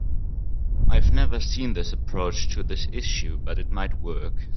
I have never seen this approach to this issue, but it might work.